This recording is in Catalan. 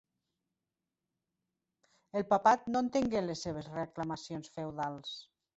El Papat no entengué les seves reclamacions feudals.